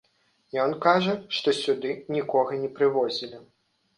Ён кажа, што сюды нікога не прывозілі.